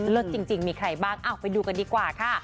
จริงมีใครบ้างไปดูกันดีกว่าค่ะ